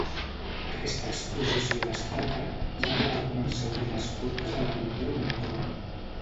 Aquesta exposició destaca, ja que va començar a obrir les portes de la pintura monocroma.